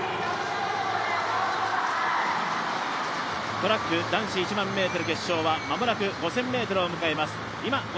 トラック男子１００００ｍ決勝は間もなく５０００ｍを迎えます。